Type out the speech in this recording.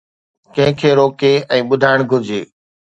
ڪنهن کي روڪي ۽ ٻڌائڻ گهرجي.